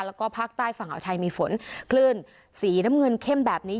แล้วก็ภาคใต้ฝั่งอ่าวไทยมีฝนคลื่นสีน้ำเงินเข้มแบบนี้